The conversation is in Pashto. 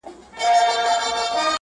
له اختره یوه میاشت وړاندي